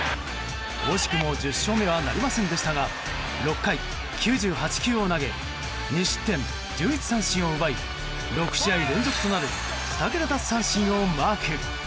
惜しくも１０勝目はなりませんでしたが６回９８球を投げ２失点１１三振を奪い６試合連続となる２桁奪三振をマーク。